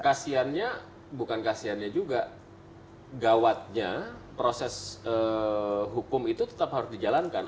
kasiannya bukan kasiannya juga gawatnya proses hukum itu tetap harus dijalankan